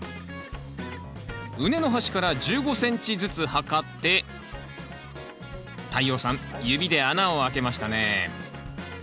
畝の端から１５ｃｍずつ測って太陽さん指で穴を開けましたね。